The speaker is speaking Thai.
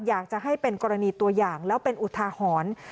อยากจะให้เป็นกรณีตัวอย่างแล้วเป็นอุทาหรณ์